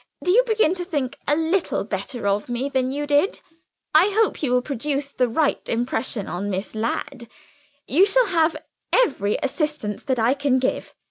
Do you begin to think a little better of me than you did? I hope you will produce the right impression on Miss Ladd; you shall have every assistance that I can give.